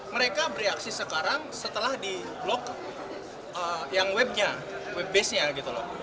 mereka bereaksi sekarang setelah di blok yang webnya web base nya gitu loh